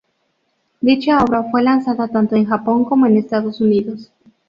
Dicha obra fue lanzada tanto en Japón como en Estados Unidos.